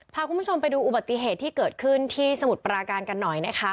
พาคุณผู้ชมไปดูอุบัติเหตุที่เกิดขึ้นที่สมุทรปราการกันหน่อยนะคะ